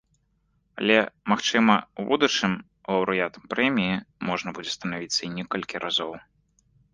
Але, магчыма, у будучым лаўрэатам прэміі можна будзе станавіцца і некалькі разоў.